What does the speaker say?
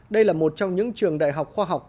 đây là một trong những trường đại học khoa học